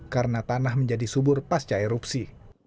karena tanah menjadi subur pasca erupsi